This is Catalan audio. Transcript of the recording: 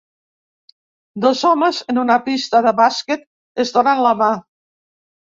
Dos homes en una pista de bàsquet es donen la mà